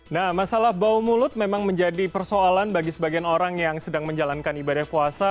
nah masalah bau mulut memang menjadi persoalan bagi sebagian orang yang sedang menjalankan ibadah puasa